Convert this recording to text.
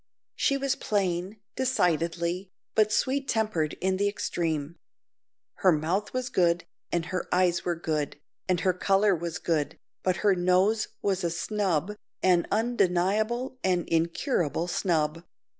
She was plain, decidedly, but sweet tempered in the extreme. Her mouth was good, and her eyes were good, and her colour was good, but her nose was a snub, an undeniable and incurable snub.